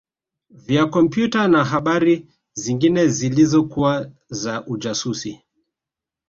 vya kompyuta na habari zingine zilizokuwa za ujasusi